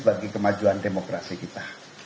bagi kemajuan demokrasi kita